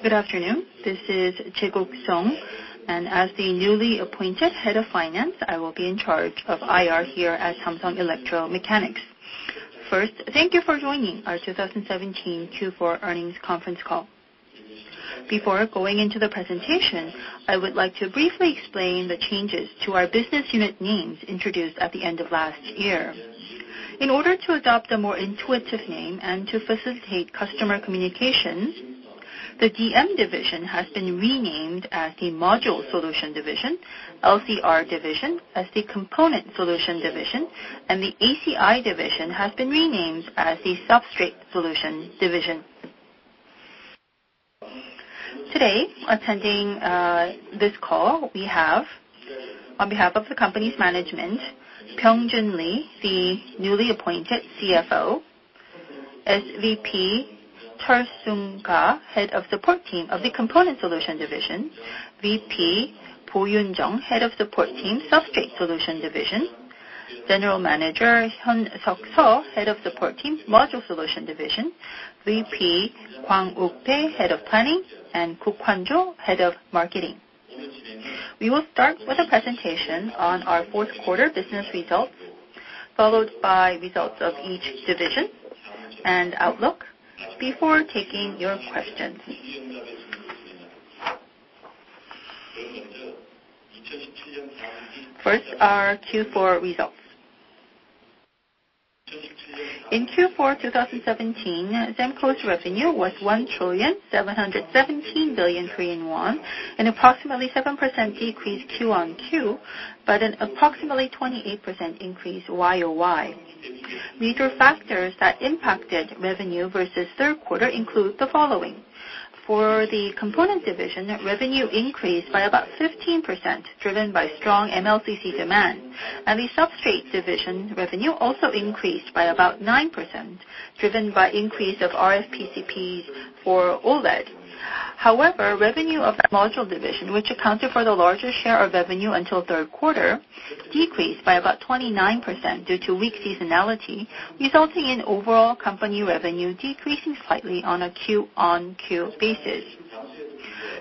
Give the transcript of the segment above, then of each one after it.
Good afternoon. This is Seong Jae-guk, and as the newly appointed Head of Finance, I will be in charge of IR here at Samsung Electro-Mechanics. First, thank you for joining our 2017 Q4 earnings conference call. Before going into the presentation, I would like to briefly explain the changes to our business unit names introduced at the end of last year. In order to adopt a more intuitive name and to facilitate customer communications, the DM division has been renamed as the Module Solution Division, LCR division as the Component Solution Division, and the ACI division has been renamed as the Substrate Solution Division. Today, attending this call, we have, on behalf of the company's management, Lee Pyeong-jun, the newly appointed CFO, SVP Chul-sung Ka, head of support team of the Component Solution Division, VP Bo-yoon Jung, head of support team, Substrate Solution Division, General Manager Hyun-suk Seo, head of support team, Module Solution Division, VP Hwang Uk-tae, head of planning, and Kook-hwan Cho, head of marketing. We will start with a presentation on our fourth quarter business results, followed by results of each division and outlook before taking your questions. First, our Q4 results. In Q4 2017, SEMCO's revenue was 1,717,000,000,000 Korean won, an approximately 7% increase Q-on-Q, but an approximately 28% increase Y-on-Y. Major factors that impacted revenue versus third quarter include the following. For the Component Solution Division, revenue increased by about 15%, driven by strong MLCC demand, and the Substrate Solution Division revenue also increased by about 9%, driven by increase of RFPCBs for OLED. Revenue of Module Solution Division, which accounted for the largest share of revenue until third quarter, decreased by about 29% due to weak seasonality, resulting in overall company revenue decreasing slightly on a Q-on-Q basis.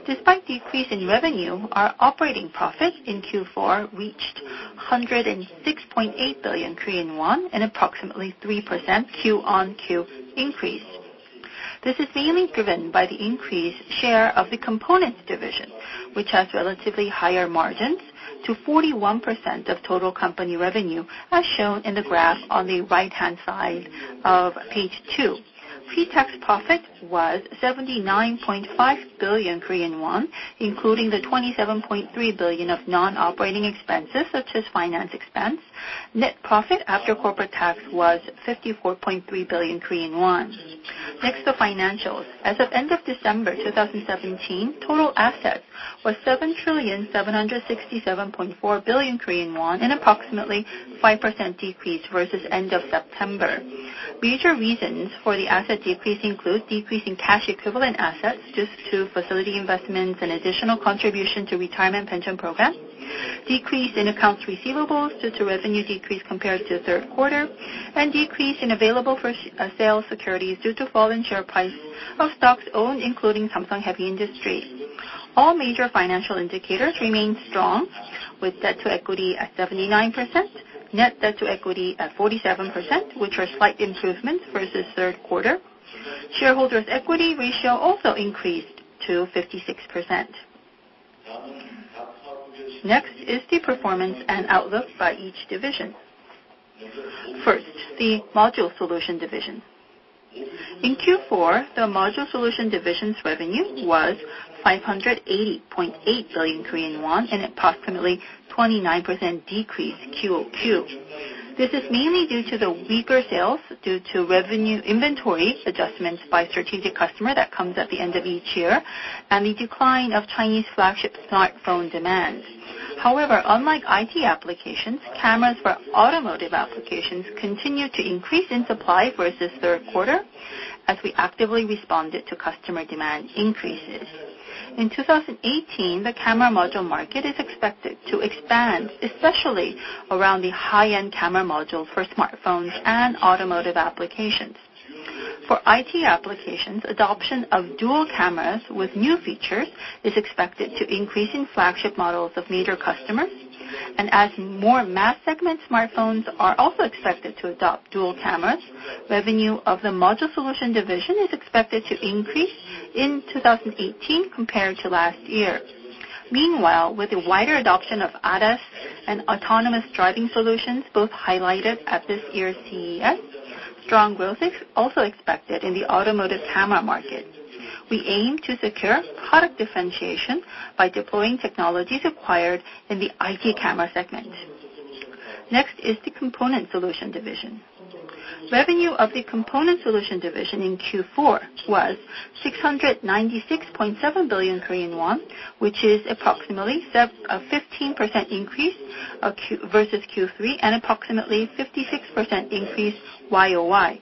Despite decrease in revenue, our operating profit in Q4 reached 106.8 billion Korean won, an approximately 3% Q-on-Q increase. This is mainly driven by the increased share of the Component Solution Division, which has relatively higher margins to 41% of total company revenue, as shown in the graph on the right-hand side of page two. Pre-tax profit was 79.5 billion Korean won, including the 27.3 billion of non-operating expenses such as finance expense. Net profit after corporate tax was 54.3 billion Korean won. Next, the financials. As of end of December 2017, total assets was 7,767.4 billion Korean won, an approximately 5% decrease versus end of September. Major reasons for the asset decrease include decrease in cash equivalent assets due to facility investments and additional contribution to retirement pension programs, decrease in accounts receivables due to revenue decrease compared to the third quarter, and decrease in available for sale securities due to fall in share price of stocks owned, including Samsung Heavy Industries. All major financial indicators remain strong, with debt-to-equity at 79%, net debt-to-equity at 47%, which are slight improvements versus third quarter. Shareholders' equity ratio also increased to 56%. Next is the performance and outlook by each division. First, the Module Solution division. In Q4, the Module Solution division's revenue was 580.8 billion Korean won, an approximately 29% decrease Q-on-Q. This is mainly due to the weaker sales due to revenue inventory adjustments by strategic customer that comes at the end of each year, and the decline of Chinese flagship smartphone demand. However, unlike IT applications, cameras for automotive applications continued to increase in supply versus third quarter as we actively responded to customer demand increases. In 2018, the camera module market is expected to expand, especially around the high-end camera module for smartphones and automotive applications. For IT applications, adoption of dual cameras with new features is expected to increase in flagship models of major customers, and as more mass-segment smartphones are also expected to adopt dual cameras, revenue of the Module Solution division is expected to increase in 2018 compared to last year. Meanwhile, with the wider adoption of ADAS and autonomous driving solutions, both highlighted at this year's CES, strong growth is also expected in the automotive camera market. We aim to secure product differentiation by deploying technologies acquired in the IT camera segment. Next is the Component Solution division. Revenue of the Component Solution division in Q4 was 696.7 billion Korean won, which is approximately a 15% increase versus Q3 and approximately 56% increase Y-on-Y.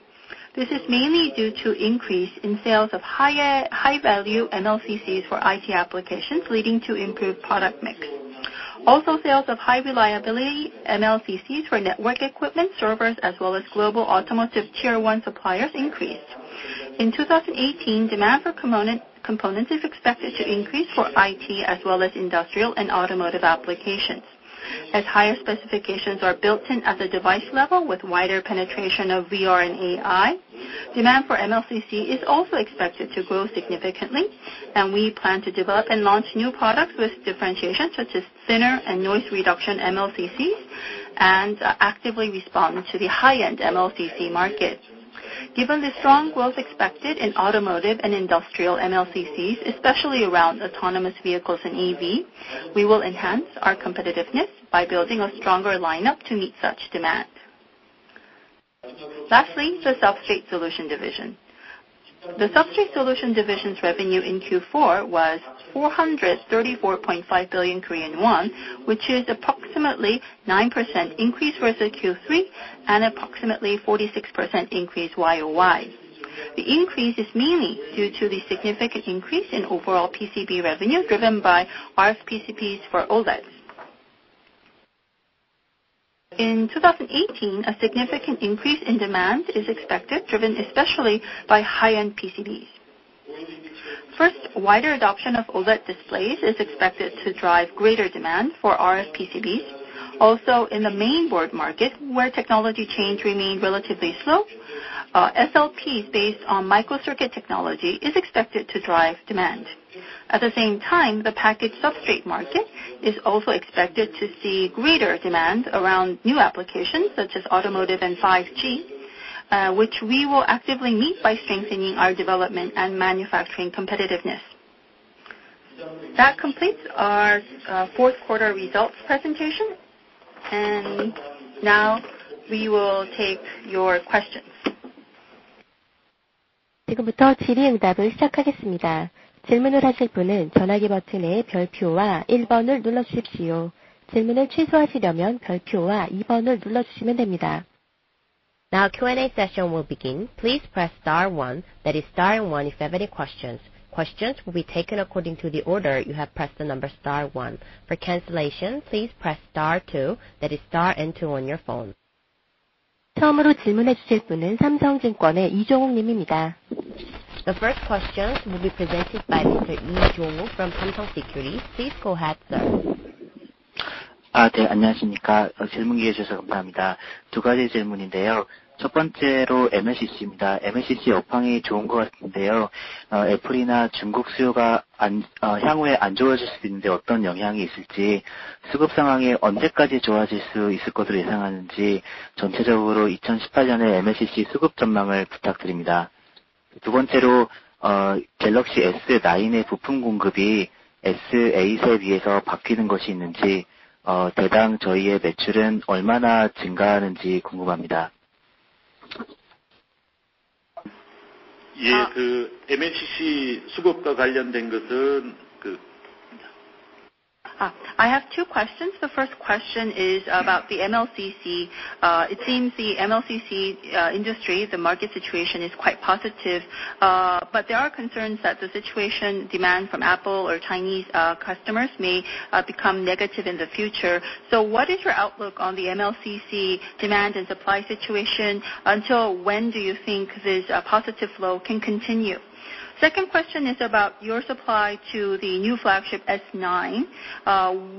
This is mainly due to increase in sales of high-value MLCCs for IT applications, leading to improved product mix. Sales of high reliability MLCCs for network equipment servers, as well as global automotive Tier 1 suppliers increased. In 2018, demand for components is expected to increase for IT, as well as industrial and automotive applications. As higher specifications are built in at the device level with wider penetration of VR and AI, demand for MLCC is also expected to grow significantly, and we plan to develop and launch new products with differentiation, such as thinner and noise reduction MLCCs, and actively respond to the high-end MLCC market. Given the strong growth expected in automotive and industrial MLCCs, especially around autonomous vehicles and EV, we will enhance our competitiveness by building a stronger lineup to meet such demand. Lastly, the Substrate Solution Division. The Substrate Solution Division's revenue in Q4 was 434.5 billion Korean won, which is approximately 9% increase versus Q3 and approximately 46% increase Y-o-Y. The increase is mainly due to the significant increase in overall PCB revenue, driven by RFPCBs for OLEDs. In 2018, a significant increase in demand is expected, driven especially by high-end PCBs. First, wider adoption of OLED displays is expected to drive greater demand for RFPCBs. Also, in the main board market, where technology change remained relatively slow, SLPs based on microcircuit technology is expected to drive demand. At the same time, the package substrate market is also expected to see greater demand around new applications such as automotive and 5G, which we will actively meet by strengthening our development and manufacturing competitiveness. That completes our fourth quarter results presentation. Now we will take your questions. Now Q&A session will begin. Please press star one, that is star and one, if you have any questions. Questions will be taken according to the order you have pressed the number star one. For cancellation, please press star two, that is star and two on your phone. The first question will be presented by Mr. Lee Jong-wook from Samsung Securities. Please go ahead, sir. I have two questions. The first question is about the MLCC. It seems the MLCC industry, the market situation is quite positive. There are concerns that the situation demand from Apple or Chinese customers may become negative in the future. What is your outlook on the MLCC demand and supply situation? Until when do you think this positive flow can continue? Second question is about your supply to the new flagship S9.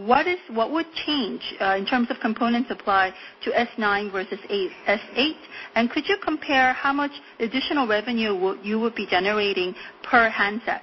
What would change in terms of component supply to S9 versus S8? Could you compare how much additional revenue you would be generating per handset?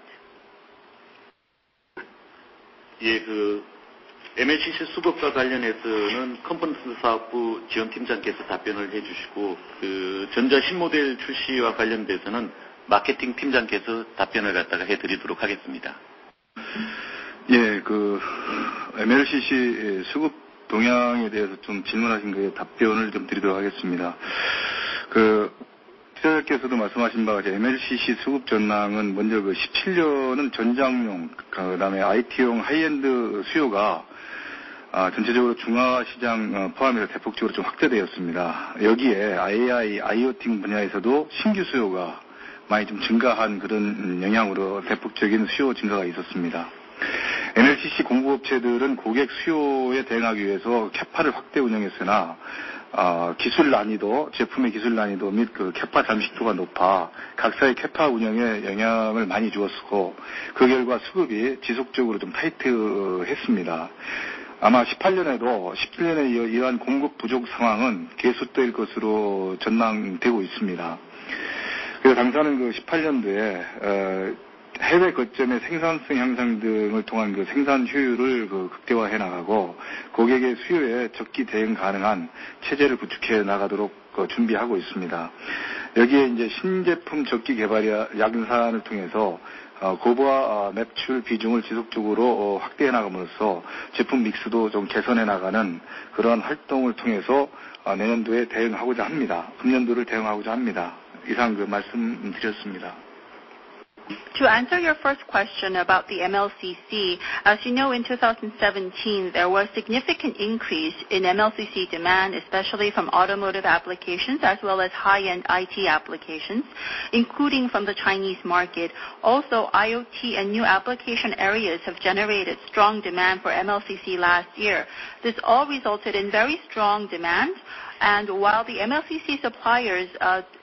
To answer your first question about the MLCC. As you know, in 2017, there was significant increase in MLCC demand, especially from automotive applications as well as high-end IT applications, including from the Chinese market. Also, IoT and new application areas have generated strong demand for MLCC last year. This all resulted in very strong demand, and while the MLCC suppliers are focused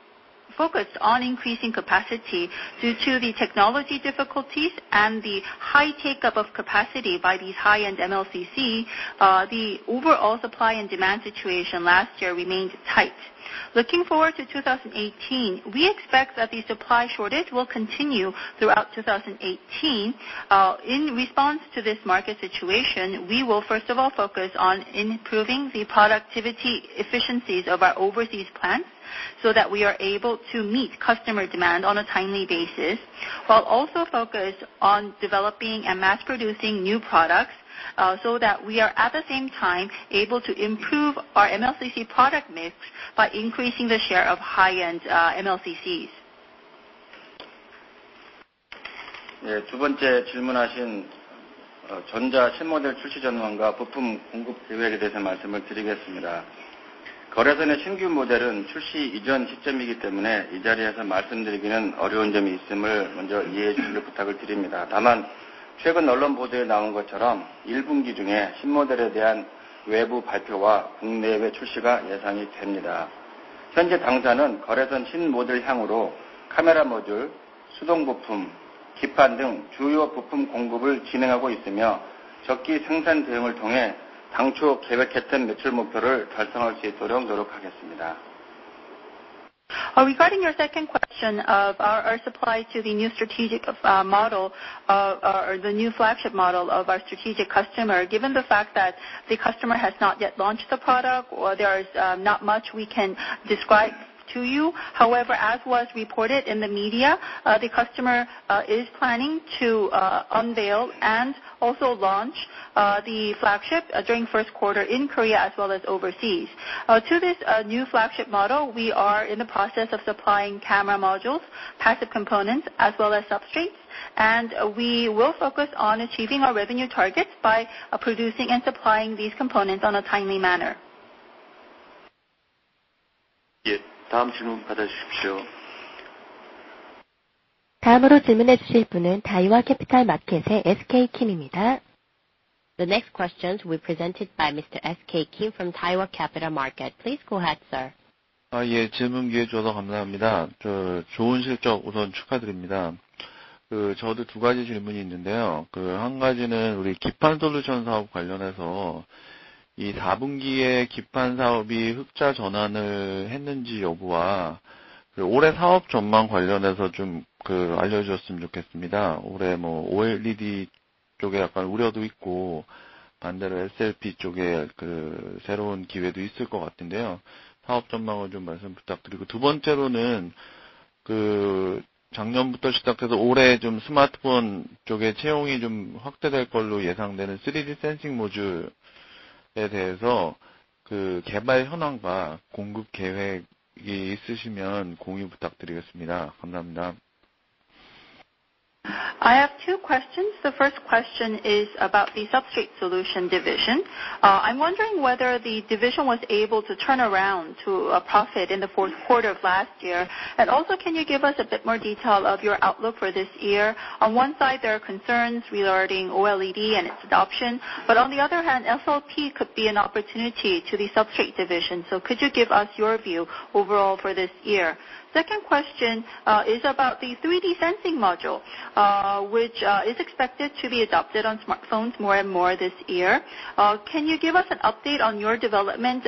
on increasing capacity due to the technology difficulties and the high take-up of capacity by these high-end MLCC, the overall supply and demand situation last year remained tight. Looking forward to 2018, we expect that the supply shortage will continue throughout 2018. In response to this market situation, we will first of all focus on improving the productivity efficiencies of our overseas plants so that we are able to meet customer demand on a timely basis, while also focus on developing and mass-producing new products so that we are, at the same time, able to improve our MLCC product mix by increasing the share of high-end MLCCs. Regarding your second question of our supply to the new flagship model of our strategic customer, given the fact that the customer has not yet launched the product, there is not much we can describe to you. However, as was reported in the media, the customer is planning to unveil and also launch the flagship during first quarter in Korea as well as overseas. To this new flagship model, we are in the process of supplying camera modules, passive components as well as substrates, and we will focus on achieving our revenue targets by producing and supplying these components on a timely manner. The next question will be presented by Mr. S.K. Kim from Daiwa Capital Market. Please go ahead, sir. I have two questions. The first question is about the Substrate Solution Division. I'm wondering whether the division was able to turn around to a profit in the fourth quarter of last year. Also, can you give us a bit more detail of your outlook for this year? On one side, there are concerns regarding OLED and its adoption. On the other hand, SLP could be an opportunity to the Substrate Solution Division. Could you give us your view overall for this year? Second question is about the 3D sensing module, which is expected to be adopted on smartphones more and more this year. Can you give us an update on your development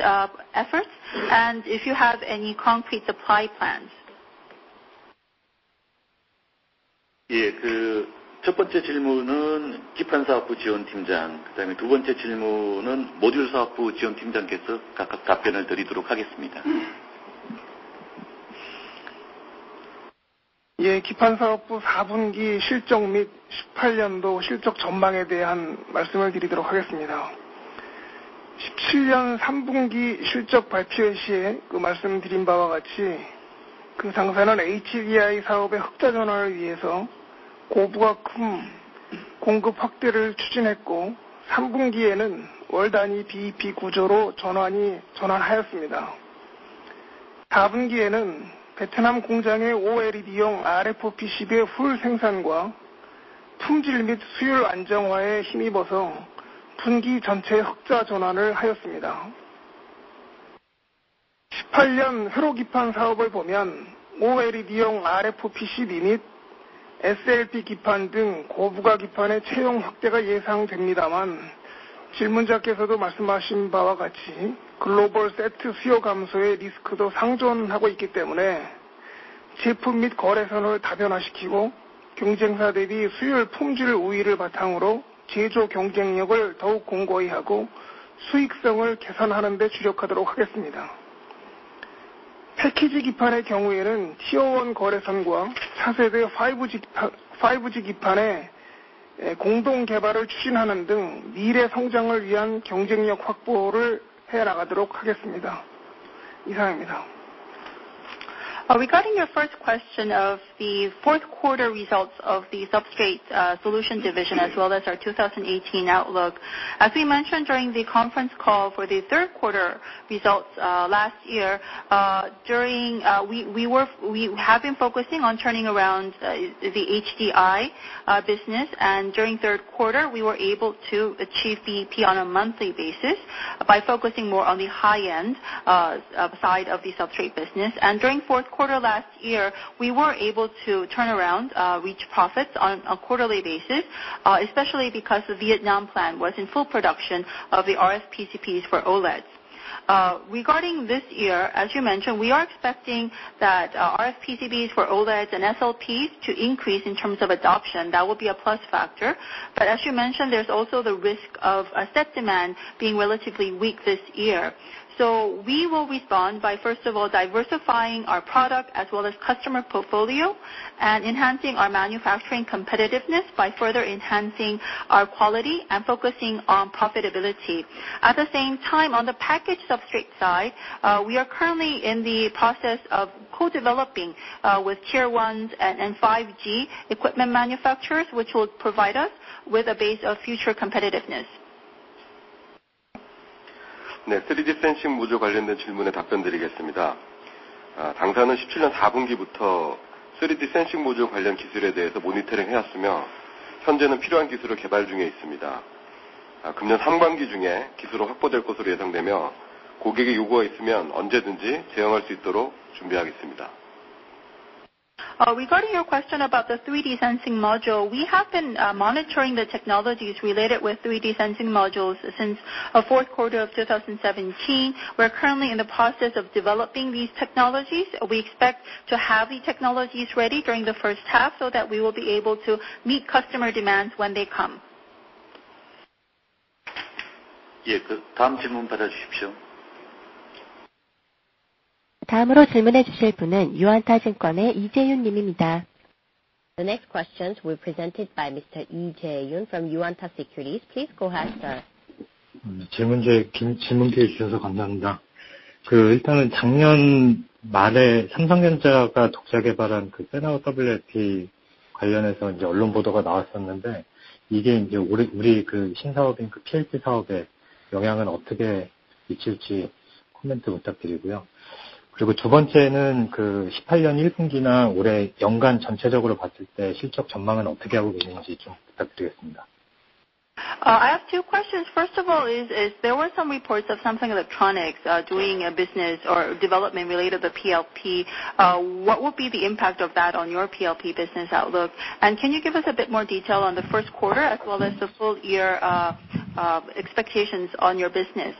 efforts and if you have any concrete supply plans? Regarding your first question of the fourth quarter results of the Substrate Solution Division, as well as our 2018 outlook. As we mentioned during the conference call for the third quarter results last year, we have been focusing on turning around the HDI business. During third quarter we were able to achieve BEP on a monthly basis by focusing more on the high-end side of the substrate business. During fourth quarter last year, we were able to turn around, reach profits on a quarterly basis, especially because the Vietnam plant was in full production of the RFPCB for OLEDs. Regarding this year, as you mentioned, we are expecting that RFPCB for OLEDs and SLP to increase in terms of adoption. That will be a plus factor. As you mentioned, there's also the risk of a set demand being relatively weak this year. We will respond by, first of all, diversifying our product as well as customer portfolio and enhancing our manufacturing competitiveness by further enhancing our quality and focusing on profitability. At the same time, on the package substrate side, we are currently in the process of co-developing with Tier 1 and 5G equipment manufacturers, which will provide us with a base of future competitiveness. Regarding your question about the 3D sensing module. We have been monitoring the technologies related with 3D sensing modules since fourth quarter of 2017. We're currently in the process of developing these technologies. We expect to have the technologies ready during the first half so that we will be able to meet customer demands when they come. The next questions will be presented by Mr. Lee Jae-yoon from Yuanta Securities. Please go ahead, sir. I have two questions. First of all, there were some reports of Samsung Electronics doing a business or development related to PLP. What will be the impact of that on your PLP business outlook? Can you give us a bit more detail on the first quarter as well as the full year of expectations on your business?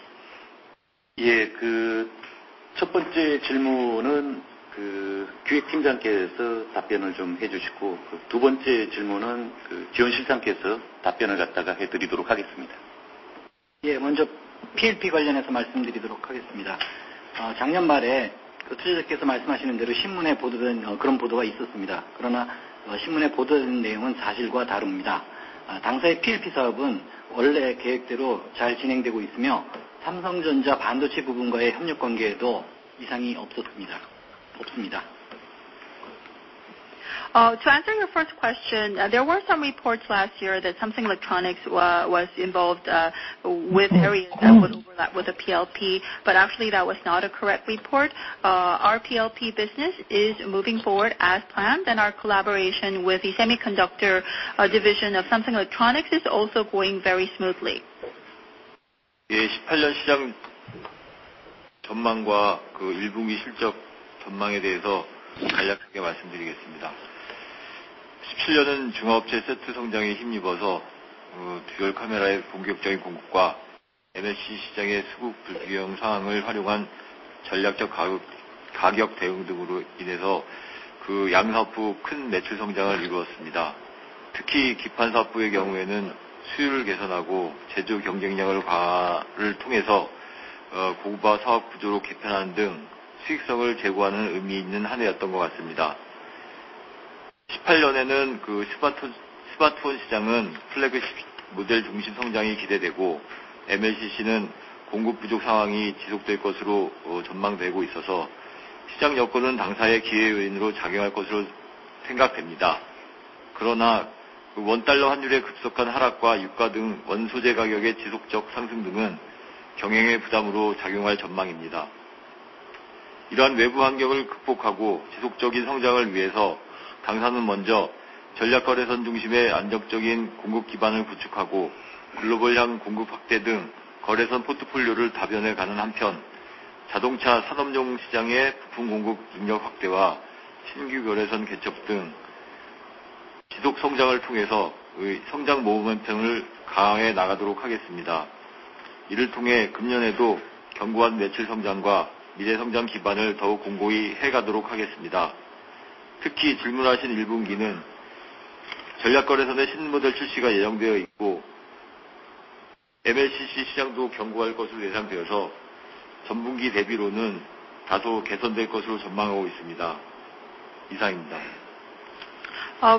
To answer your first question, there were some reports last year that Samsung Electronics was involved with areas that would overlap with the PLP, actually that was not a correct report. Our PLP business is moving forward as planned, our collaboration with the semiconductor division of Samsung Electronics is also going very smoothly.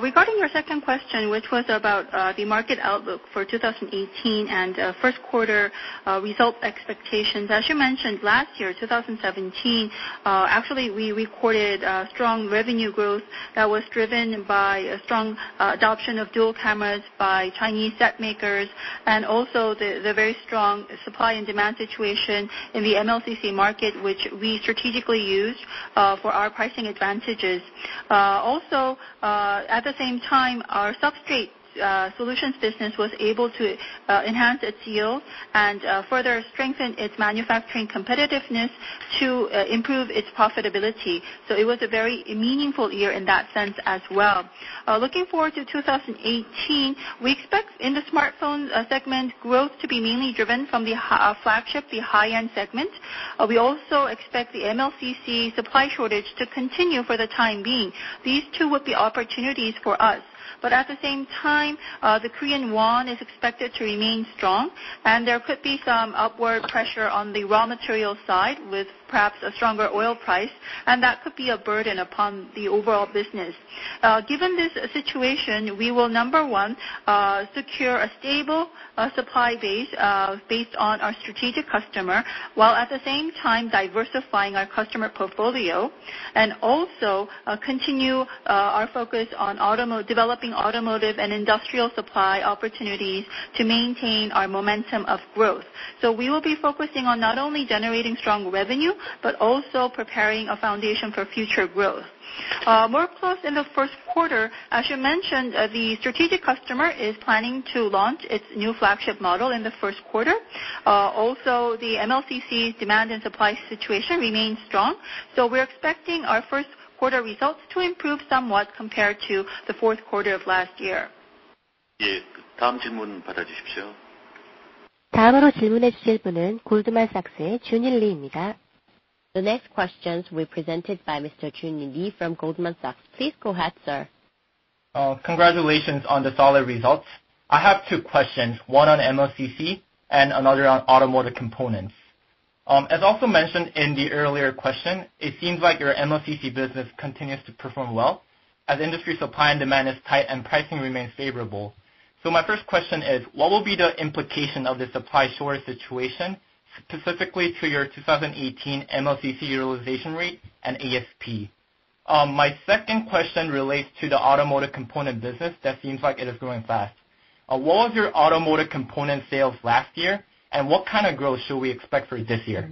Regarding your second question, which was about the market outlook for 2018 and first quarter result expectations. As you mentioned, last year, 2017, actually, we recorded a strong revenue growth that was driven by a strong adoption of dual cameras by Chinese set makers, and also the very strong supply and demand situation in the MLCC market, which we strategically used for our pricing advantages. Also, at the same time, our Substrate Solutions business was able to enhance its yield and further strengthen its manufacturing competitiveness to improve its profitability. It was a very meaningful year in that sense as well. Looking forward to 2018, we expect in the smartphone segment growth to be mainly driven from the flagship, the high-end segment. We also expect the MLCC supply shortage to continue for the time being. These two would be opportunities for us, but at the same time, the Korean won is expected to remain strong and there could be some upward pressure on the raw material side with perhaps a stronger oil price, and that could be a burden upon the overall business. Given this situation, we will, number one, secure a stable supply base, based on our strategic customer, while at the same time diversifying our customer portfolio, and also continue our focus on developing automotive and industrial supply opportunities to maintain our momentum of growth. We will be focusing on not only generating strong revenue, but also preparing a foundation for future growth. More close in the first quarter, as you mentioned, the strategic customer is planning to launch its new flagship model in the first quarter. The MLCC demand and supply situation remains strong, so we're expecting our first quarter results to improve somewhat compared to the fourth quarter of last year. The next question will be presented by Mr. Giuni Lee from Goldman Sachs. Please go ahead, sir. Congratulations on the solid results. I have two questions, one on MLCC and another on automotive components. As also mentioned in the earlier question, it seems like your MLCC business continues to perform well as industry supply and demand is tight and pricing remains favorable. My first question is: What will be the implication of the supply shortage situation, specifically to your 2018 MLCC utilization rate and ASP? My second question relates to the automotive component business that seems like it is growing fast. What was your automotive component sales last year, and what kind of growth should we expect for this year?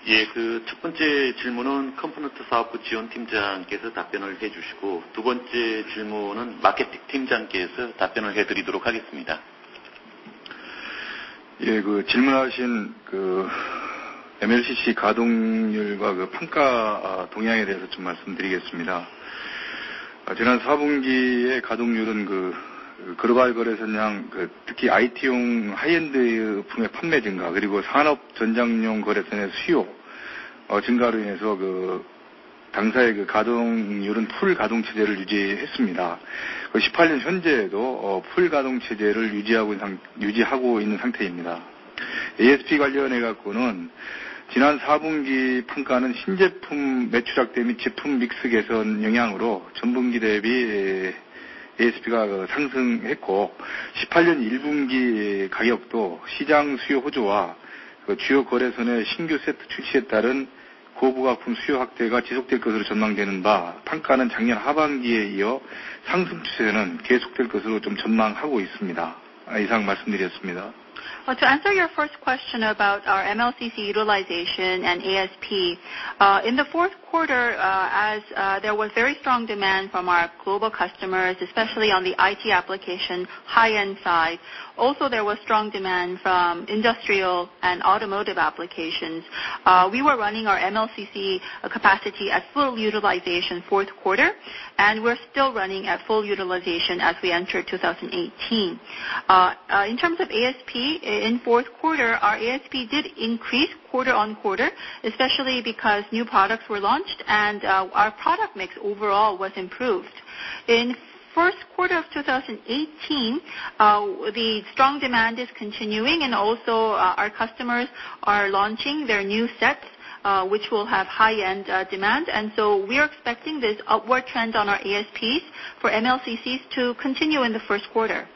Thank you. To answer your first question about our MLCC utilization and ASP. In the fourth quarter, as there was very strong demand from our global customers, especially on the IT application high-end side. There was strong demand from industrial and automotive applications. We were running our MLCC capacity at full utilization fourth quarter, and we're still running at full utilization as we enter 2018. In terms of ASP, in fourth quarter, our ASP did increase quarter on quarter, especially because new products were launched and our product mix overall was improved. In first quarter of 2018, the strong demand is continuing and our customers are launching their new sets, which will have high-end demand. We are expecting this upward trend on our ASPs for MLCCs to continue in the first quarter.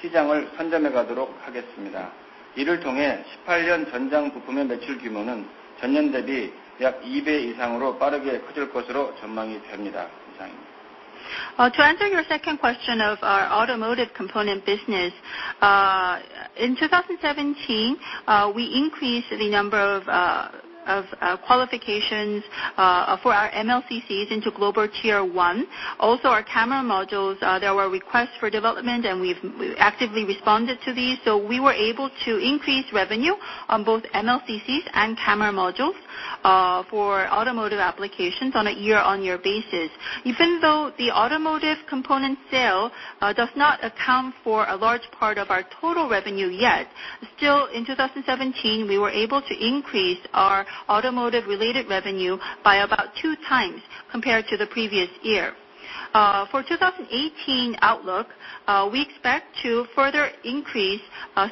To answer your second question of our automotive component business. In 2017, we increased the number of qualifications for our MLCCs into global Tier 1. Our camera modules, there were requests for development and we've actively responded to these. We were able to increase revenue on both MLCCs and camera modules for automotive applications on a year-on-year basis. Even though the automotive component sale does not account for a large part of our total revenue yet, still in 2017, we were able to increase our automotive related revenue by about two times compared to the previous year. For 2018 outlook, we expect to further increase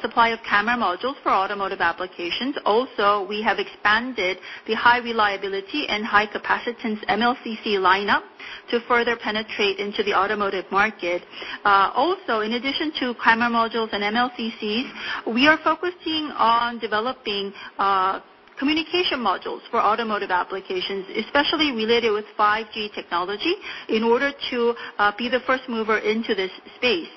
supply of camera modules for automotive applications. We have expanded the high reliability and high capacitance MLCC lineup to further penetrate into the automotive market. In addition to camera modules and MLCCs, we are focusing on developing communication modules for automotive applications, especially related with 5G technology in order to be the first mover into this space.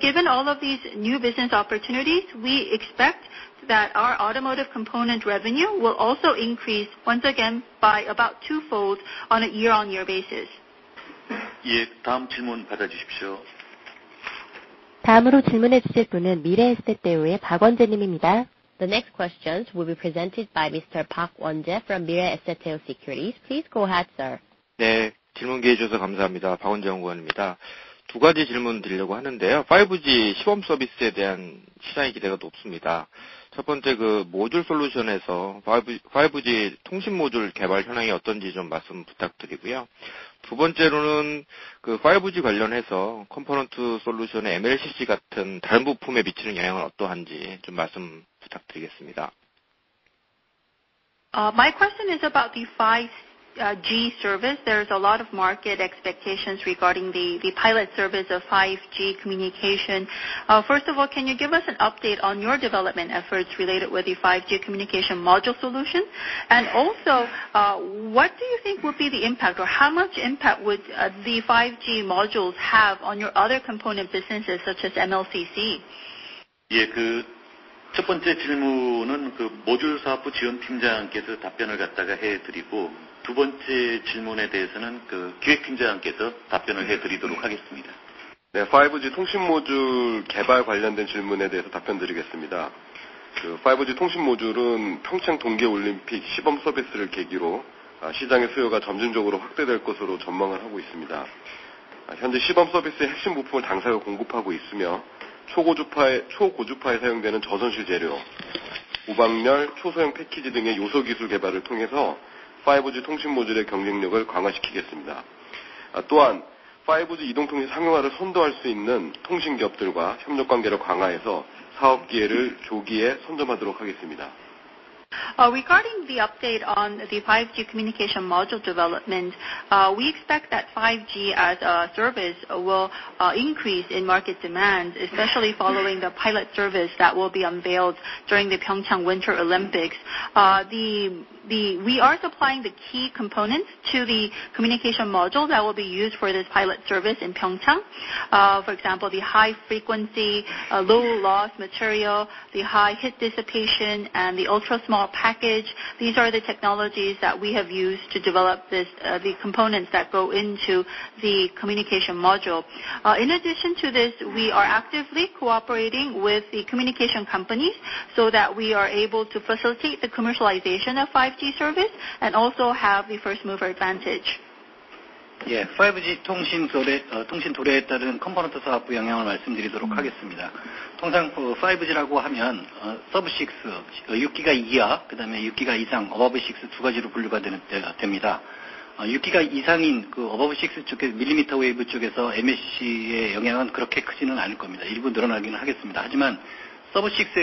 Given all of these new business opportunities, we expect that our automotive component revenue will also increase once again by about two fold on a year-on-year basis. The next questions will be presented by Mr. Park Won-jae from Mirae Asset Securities. Please go ahead, sir. My question is about the 5G service. There's a lot of market expectations regarding the pilot service of 5G communication. First of all, can you give us an update on your development efforts related with the 5G communication module solution? Also, what do you think would be the impact, or how much impact would the 5G modules have on your other component businesses such as MLCC? Regarding the update on the 5G communication module development. We expect that 5G as a service will increase in market demand, especially following the pilot service that will be unveiled during the Pyeongchang Winter Olympics. We are supplying the key components to the communication module that will be used for this pilot service in Pyeongchang. For example, the high frequency, low loss material, the high heat dissipation, and the ultra-small package. These are the technologies that we have used to develop the components that go into the communication module. In addition to this, we are actively cooperating with the communication companies so that we are able to facilitate the commercialization of 5G service and also have the first-mover advantage.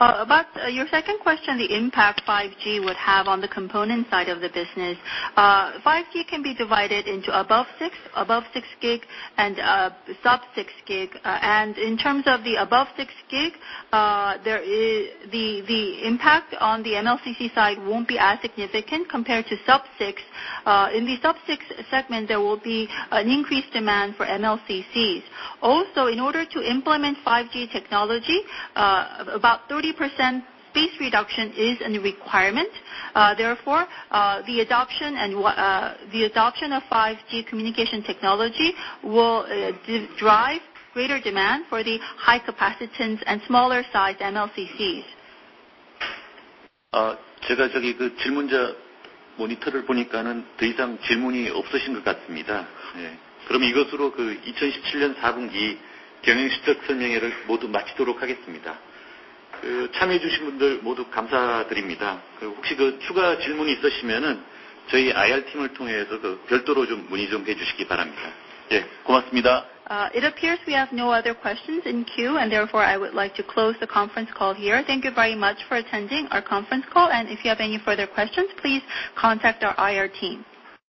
About your second question, the impact 5G would have on the component side of the business. 5G can be divided into Above 6 GHz and Sub-6 GHz. In terms of the Above 6 GHz, the impact on the MLCC side won't be as significant compared to Sub-6 GHz. In the Sub-6 GHz segment, there will be an increased demand for MLCCs. Also, in order to implement 5G technology, about 30% space reduction is a requirement. Therefore, the adoption of 5G communication technology will drive greater demand for the high capacitance and smaller size MLCCs. It appears we have no other questions in queue and therefore I would like to close the conference call here. Thank you very much for attending our conference call. If you have any further questions, please contact our IR team.